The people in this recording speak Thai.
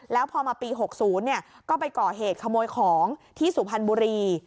แล้วพอมาปี๖๐ก็ไปก่อเหตุขโมยของที่สุพรรณบุรี